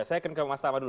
saya ke mas tama dulu